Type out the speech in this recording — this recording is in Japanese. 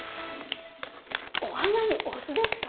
お花にお酢ですか？